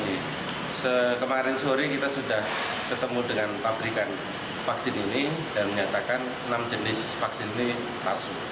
jadi kemarin sore kita sudah ketemu dengan pabrikan vaksin ini dan menyatakan enam jenis vaksin ini palsu